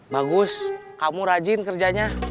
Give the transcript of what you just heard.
bagus kamu rajin kerjanya